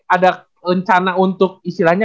ada rencana untuk istilahnya